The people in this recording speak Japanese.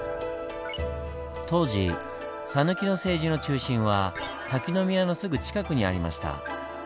当時讃岐の政治の中心は滝宮のすぐ近くにありました。